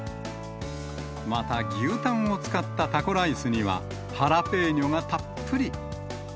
また、牛タンを使ったタコライスには、ハラペーニョがたっぷり。